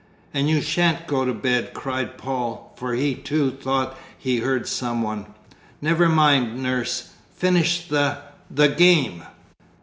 "And you shan't go to bed!" cried Paul, for he too thought he heard some one. "Never mind nurse, finish the the game."